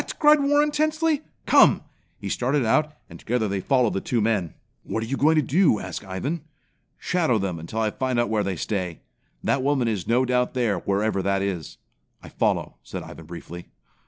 cried Warren tensely. "Come!" He started out, and together they followed the two men. "What are you going to do?" asked Ivan. "Shadow them until I find where they stay. That woman is no doubt there, wherever that is." "I follow," said Ivan briefly.